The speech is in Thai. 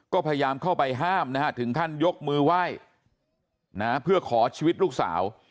ก็พยายามเข้าไปห้ามนะฮะถึงขั้นยกมือไหว้เพื่อขอชีวิตลูกสาว